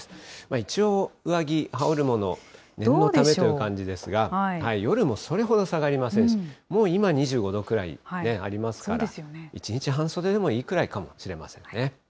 一応、上着、羽織るもの、念のためという感じですが、夜もそれほど下がりませんし、もう今、２５度くらいありますから、一日半袖でもいいくらいかもしれませんね。